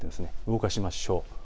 動かしましょう。